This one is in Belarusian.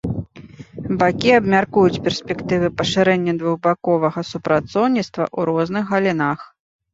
Бакі абмяркуюць перспектывы пашырэння двухбаковага супрацоўніцтва ў розных галінах.